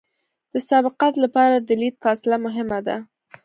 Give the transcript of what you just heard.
د سبقت لپاره د لید فاصله مهمه ده